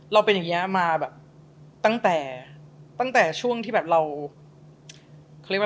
เราเป็นอย่างนี้มาแบบตั้งแต่ช่วงที่แบบเรา